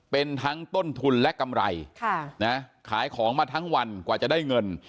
เป็นทั้งต้นทุนและกำไรขายของมาทั้งวันกว่าจะได้เงิน